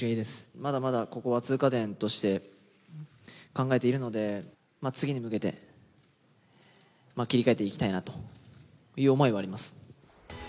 まだまだここは通過点として考えているので次に向けて、切り替えていきたいなという思いはあります。